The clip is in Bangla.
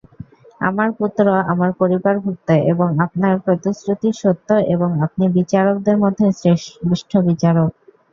আমার পুত্র আমার পরিবারভুক্ত এবং আপনার প্রতিশ্রুতি সত্য এবং আপনি বিচারকদের মধ্যে শ্রেষ্ঠ বিচারক।